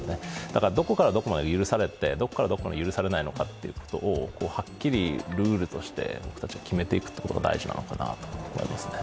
だからどこからどこまで許されて、どこからどこまで許されないのかはっきりルールとして僕たちは決めていてくことが大事なのかなと思いますね。